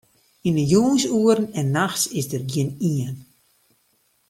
Yn 'e jûnsoeren en nachts is dêr gjinien.